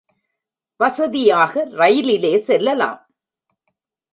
வசதியாக ரயிலிலே செல்லலாம்.